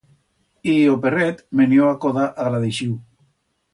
Y o perret menió a coda agradeixiu.